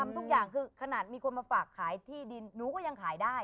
ทุกอย่างคือขนาดมีคนมาฝากขายที่ดินหนูก็ยังขายได้